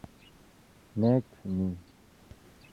Nek mi.